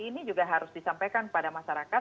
ini juga harus disampaikan kepada masyarakat